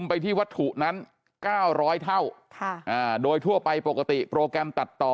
ไปที่วัตถุนั้นเก้าร้อยเท่าค่ะอ่าโดยทั่วไปปกติโปรแกรมตัดต่อ